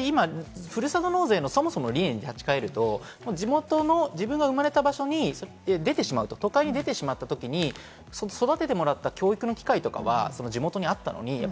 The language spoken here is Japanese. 今、ふるさと納税のそもそも理念に立ち返ると、地元の自分が生まれた場所を出てしまう、都会に出てしまったときに育ててもらった教育の機会とかは地元にあったのに